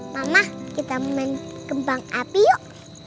mama kita mau main kembang api yuk